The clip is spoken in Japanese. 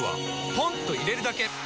ポンと入れるだけ！